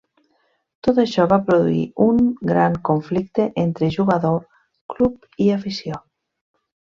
Tot això va produir un gran conflicte entre jugador, club i afició.